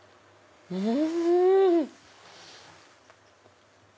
うん！